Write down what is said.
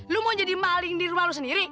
lu mau jadi maling di rumah lo sendiri